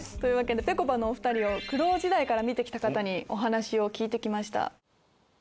ぺこぱのお２人を苦労時代から見て来た方にお話を聞きました。